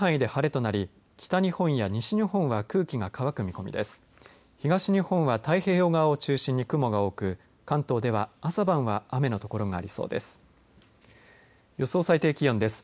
東日本は太平洋側を中心に雲が多く関東では朝晩は雨の所がありそうです。